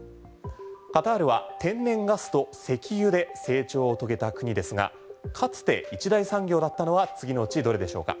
カタールは天然ガスと石油で成長を遂げた国ですがかつて一大産業だったのは次のうちどれでしょうか？